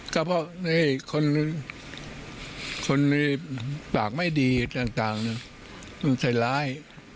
ก็เพราะคนในปากไม่ดีต่างมันใส่ร้าย